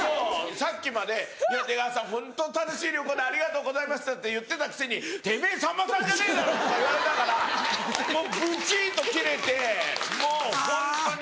さっきまで「出川さんホント楽しい旅行でありがとうございました」って言ってたくせに「てめぇさんまさんじゃねえだろ！」とか言われたからもうブチっとキレてもうホントに。